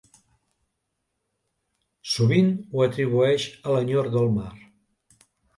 Sovint ho atribueix a l'enyor del mar.